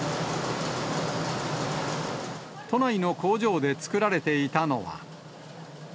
都内の工場で作られていたのは。